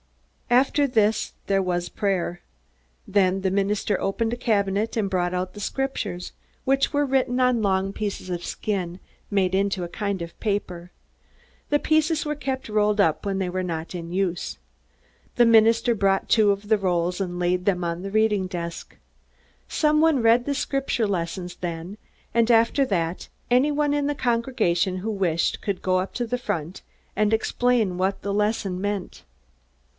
After this there was prayer. Then the minister opened a cabinet and brought out the Scriptures, which were written on long pieces of skin made into a kind of paper. The pieces were kept rolled up when they were not in use. The minister brought two of the rolls and laid them on the reading desk. Someone read the Scripture lessons then, and after that anyone in the congregation who wished could go up to the front and explain what the lesson meant.